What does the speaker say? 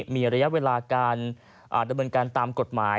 มีระยะเวลาการดำเนินการตามกฎหมาย